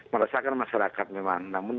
meresahkan masyarakat memang